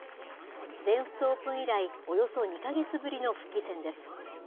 全仏オープン以来、およそ２か月ぶりの復帰戦です。